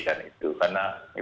karena itu memang sudah diperhatikan